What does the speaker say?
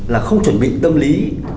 là không chuẩn bị tâm lý